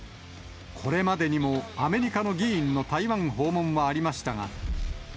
これまでにもアメリカの議員の台湾訪問はありましたが。